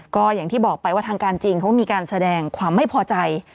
ก็อย่างที่บอกไปว่าทางการจีนเขามีการแสดงความไม่พอใจ